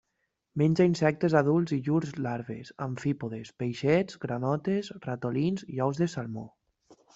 Menja insectes adults i llurs larves, amfípodes, peixets, granotes, ratolins i ous de salmó.